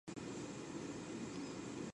During this time, Ben Markowitz took the stand.